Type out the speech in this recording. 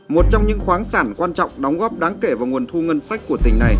một trong những khoáng sản quan trọng đóng góp đáng kể vào nguồn thu ngân sách của tỉnh này